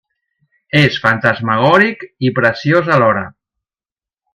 És fantasmagòric i preciós alhora.